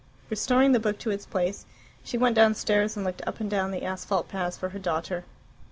Restoring the book to its place, she went downstairs, and looked up and down the asphalt paths for her daughter.